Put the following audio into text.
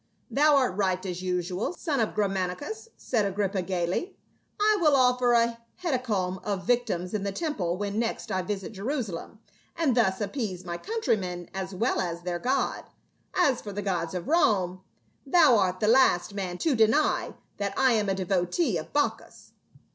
"Thou art right as usual, son of Germanicus," said Agrippa gaily. " I will offer a hecatomb of victims in the temple when next I visit Jerusalem, and thus appease my countrymen as well as their God ; as for the gods of Rome, thou art the last man to deny that I am a devotee of Bacchus."